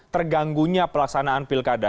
terganggunya pelaksanaan pilkada